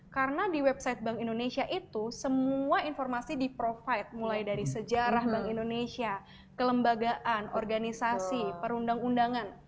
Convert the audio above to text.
karena di website bank indonesia itu semua informasi di provide mulai dari sejarah bank indonesia kelembagaan organisasi perundang undangan